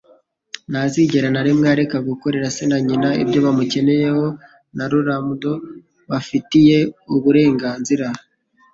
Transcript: ntazigera na rimwe areka gukorera se na nyina ibyo bamukeneyeho n'urulamdo bafitiye uburenganzira.